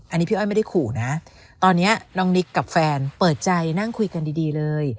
อันนี้พี่อ้อยไม่ได้ขู่นะตอนนี้น้องนิกกับแฟนเปิดใจนั่งคุยกันดีเลย